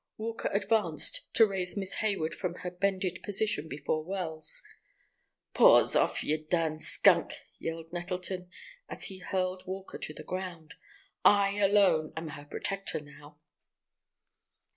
Walker advanced to raise Miss Hayward from her bended position before Wells. "Paws off, ye darn skunk!" yelled Nettleton, as he hurled Walker to the ground. "I alone am her protector now."